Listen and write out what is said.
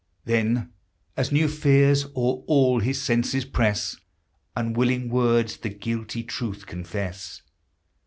Then as new fears o'er all his senses press, » Unwilling words the guilty truth confess!